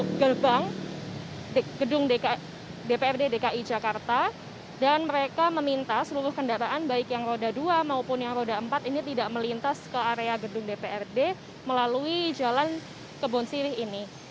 di gerbang gedung dprd dki jakarta dan mereka meminta seluruh kendaraan baik yang roda dua maupun yang roda empat ini tidak melintas ke area gedung dprd melalui jalan kebon sirih ini